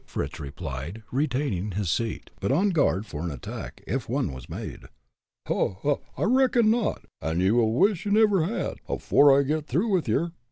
Fritz replied, retaining his seat, but on guard for an attack, if one was made. "Ho! ho! I reckon not, an' ye'll wish ye never had, afore I git through with yer!"